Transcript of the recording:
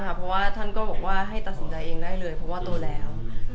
เพราะว่าท่านก็บอกว่าให้ตัดสินใจเองได้เลยเพราะว่าโตแล้ว